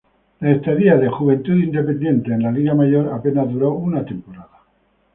La estadía de Juventud Independiente en la Liga Mayor apenas duró una temporada.